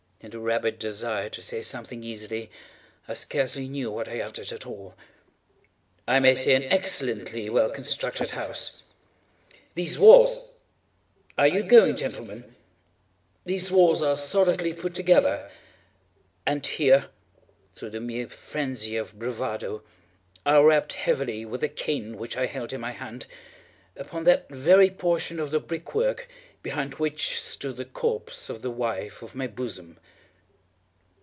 (In the rabid desire to say something easily, I scarcely knew what I uttered at all.)—"I may say an excellently well constructed house. These walls—are you going, gentlemen?—these walls are solidly put together;" and here, through the mere phrenzy of bravado, I rapped heavily, with a cane which I held in my hand, upon that very portion of the brick work behind which stood the corpse of the wife of my bosom.